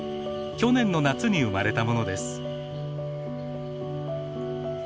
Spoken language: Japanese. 去年の夏に生まれたものです。